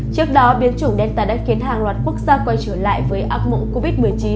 trước đó biến chủng đen tài đã khiến hàng loạt quốc gia quay trở lại với ác mộng covid một mươi chín